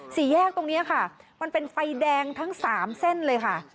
สี่แยกตรงนี้ค่ะมันเป็นไฟแดงทั้ง๓เส้นเลยค่ะ